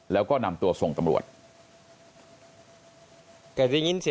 แล้วก็นำตัวส่งตำรวจ